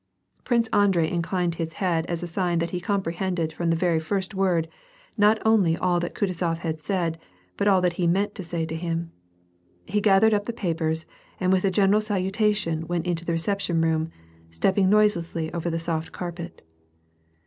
Prince Andrei inclined his head as a sign that he compre hended from the very first word not only all that Kutuzof had said, but all that he meant to say to him. He gathered up the papers and with a general salutation went into the reception room, stepping noiselessly over the soft carpet.